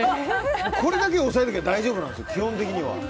これだけ押さえておけば大丈夫なんですよ、基本的には。